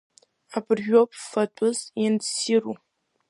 Абыржәоуп фатәыс ианыссиру.